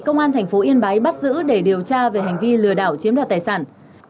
công an tp yên bái bắt giữ để điều tra về hành vi lừa đảo chiếm đất tài sản